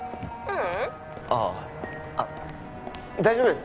「ううん」ああ大丈夫です。